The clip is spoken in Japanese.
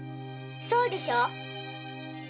そうでしょ？